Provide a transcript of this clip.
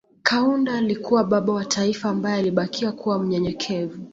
Kaunda alikuwa baba wa taifa ambaye alibakia kuwa mnyenyekevu